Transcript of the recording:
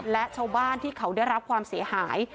และชาวบ้านที่เขาได้รับความเสียหาย